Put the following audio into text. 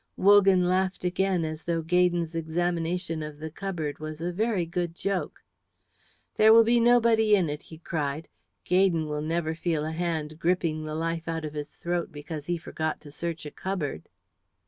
Wogan laughed again as though Gaydon's examination of the cupboard was a very good joke. "There will be nobody in it," he cried. "Gaydon will never feel a hand gripping the life out of his throat because he forgot to search a cupboard."